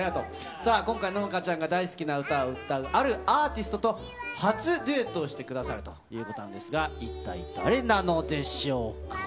さあ、今回、乃々佳ちゃんが大好きな歌を歌う、あるアーティストと初デュエットをしてくださるということですが、一帯誰なのでしょうか。